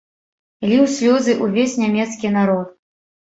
Ліў слёзы ўвесь нямецкі народ.